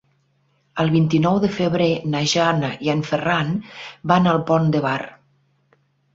El vint-i-nou de febrer na Jana i en Ferran van al Pont de Bar.